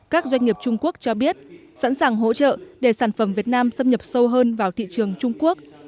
các doanh nghiệp trung quốc cho biết sẵn sàng hỗ trợ để sản phẩm việt nam xâm nhập sâu hơn vào thị trường trung quốc